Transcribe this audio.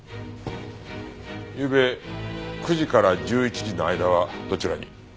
ゆうべ９時から１１時の間はどちらに？